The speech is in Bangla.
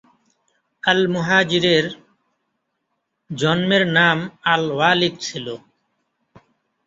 আল-মুহাজিরের জন্মের নাম আল-ওয়ালিদ ছিল।